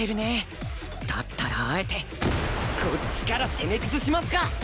だったらあえてこっちから攻め崩しますか！